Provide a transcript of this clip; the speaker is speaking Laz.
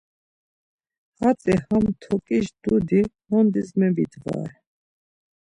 Hatzi ham toǩiş dudi nondis gebidvare.